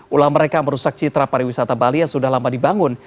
ulah mereka merusak citra pariwisata bali yang sudah lama dibangun